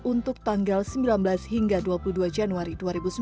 untuk tanggal sembilan belas hingga dua puluh dua januari dua ribu sembilan belas